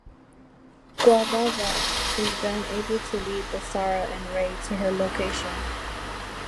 Guvava is then able to lead Basara and Ray to her location.